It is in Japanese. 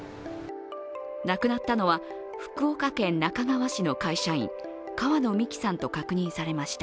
亡くなったのは福岡県那珂川市の会社員川野美樹さんと確認されました。